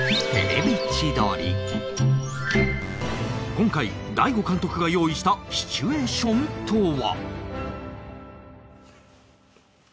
今回大悟監督が用意したシチュエーションとは？